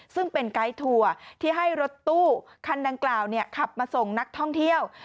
ซึ่งเป็นไกด์ทัวร์ที่ให้รถตู้คันดังกล่าวขับมาส่งนักท่องเที่ยว